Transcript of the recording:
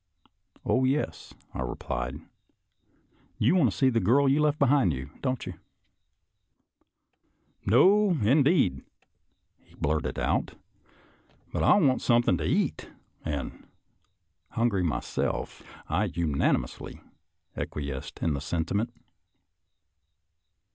" Oh, yes," I replied, " you want to see the girl you left behind you, don't you? "" No, indeed," he blurted out, " but I want some thing to eat," and, hungry myself, I unanimously acquiesced in the sentiment.